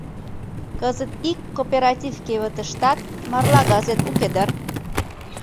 Кызыт ик кооператив кевытыштат марла газет уке дыр?